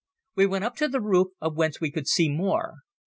We went up to the roof whence we could see more.